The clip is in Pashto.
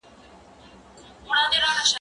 زه کولای سم لاس پرېولم!.